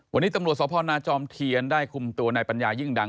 วันนี้ตำรวจสพนาจอมเทียนได้คุมตัวนายปัญญายิ่งดัง